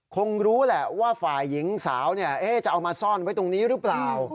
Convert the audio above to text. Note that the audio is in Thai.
คงรู้แหละว่าฝ่ายหญิงสาวจะเอามาซ่อนไว้ตรงนี้หรือเปล่า